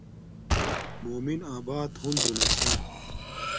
مومن آبات ہنزو نا چھا